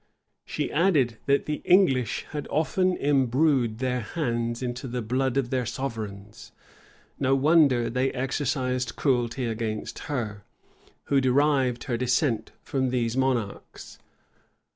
She added, that the English had often imbrued their hands in the blood of their sovereigns: no wonder they exercised cruelty against her, who derived her descent from these monarchs.